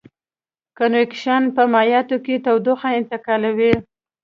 کنویکشن په مایعاتو کې تودوخه انتقالوي.